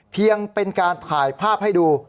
เพียงเป็นการถ่ายภาพให้ดู